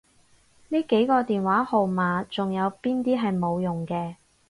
呢幾個電話號碼仲有邊啲係冇用嘅？